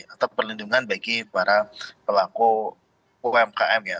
atau perlindungan bagi para pelaku umkm ya